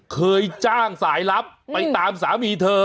เคยจ้างสายลับไปตามสามีเธอ